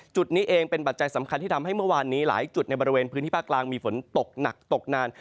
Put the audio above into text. จุดนี้เองเป็นปัจจัยสำคัญที่ทำให้เมื่อวานนี้หลายจุดในบริเวณพื้นที่ภาคกลางมีฝนตกหนักตกนาน